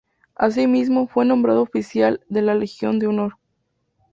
Asimismo, fue nombrado oficial de la Legión de Honor.